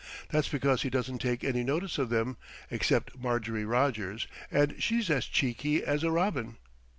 That's because he doesn't take any notice of them, except Marjorie Rogers, and she's as cheeky as a robin."